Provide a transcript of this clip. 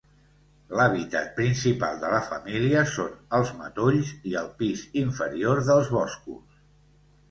L'hàbitat principal de la família són els matolls i el pis inferior dels boscos.